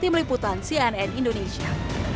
tim liputan cnn indonesia